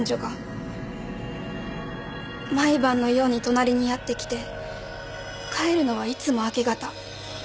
毎晩のように隣にやって来て帰るのはいつも明け方。